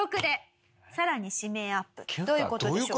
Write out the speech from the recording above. どういう事でしょうか？